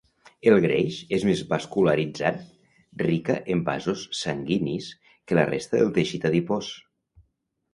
El greix és més vascularitzat rica en vasos sanguinis, que la resta del teixit adipós.